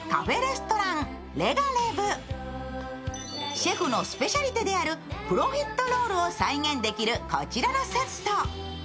シェフのスペシャリテであるプロフィットロールを再現できるこちらのセット。